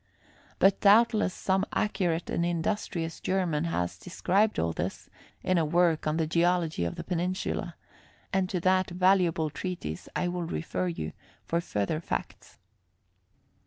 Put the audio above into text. But doubtless some accurate and industrious German has described all this, in a work on the geology of the peninsula, and to that valuable treatise I will refer you for further facts.